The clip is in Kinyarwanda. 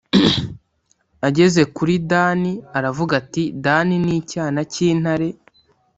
ageze kuri dani aravuga ati dani ni icyana cy’intare.